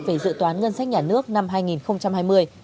về dự toán ngân sách nhà nước năm hai nghìn hai mươi